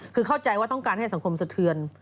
คือเข้าใจว่าต้องการให้สังคมสะเทือน